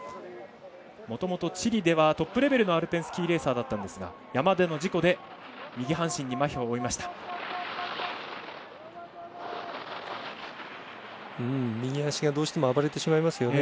もともとチリではトップレベルのアルペンスキーレーサーだったんですが、山での事故で右半身にまひを負いました。